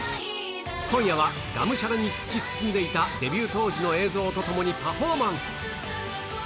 今夜はがむしゃらに突き進んでいたデビュー当時の映像とともに、パフォーマンス。